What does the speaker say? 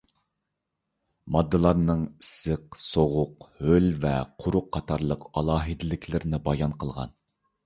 ماددىلارنىڭ ئىسسىق، سوغۇق، ھۆل ۋە قۇرۇق قاتارلىق ئالاھىدىلىكلىرىنى بايان قىلغان.